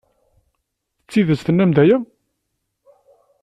D tidet tennam-d aya?